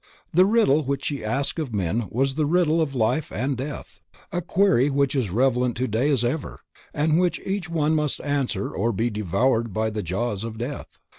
The riddle which she asked of men was the riddle of life and death, a query which is as relevant today as ever, and which each one must answer or be devoured in the jaws of death.